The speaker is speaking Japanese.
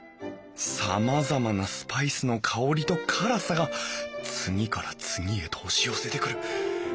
さまざまなスパイスの香りと辛さが次から次へと押し寄せてくる。